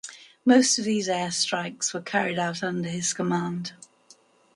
Most of these air strikes were carried out under his command.